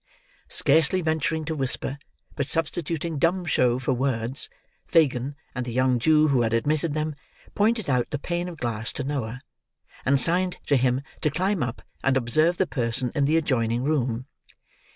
Scarcely venturing to whisper, but substituting dumb show for words, Fagin, and the young Jew who had admitted them, pointed out the pane of glass to Noah, and signed to him to climb up and observe the person in the adjoining room.